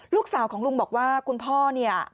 ลูกสาวของลุงบอกว่าคุณพ่อเนี่ย